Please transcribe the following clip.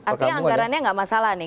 artinya anggarannya nggak masalah nih